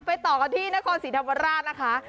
ต่อกันที่นครศรีธรรมราชนะคะ